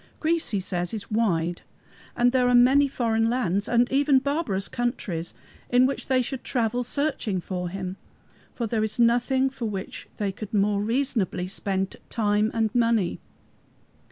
Greece, he says, is wide, and there are many foreign lands and even barbarous countries in which they should travel searching for Him, for there is nothing for which they could more reasonably spend time and money.